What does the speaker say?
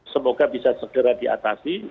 semoga bisa segera diatasi